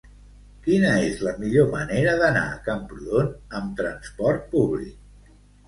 Quina és la millor manera d'anar a Camprodon amb trasport públic?